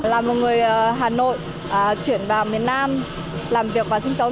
là một người hà nội chuyển vào miền nam làm việc và sinh sống